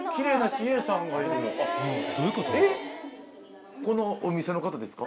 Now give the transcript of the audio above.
えっこのお店の方ですか？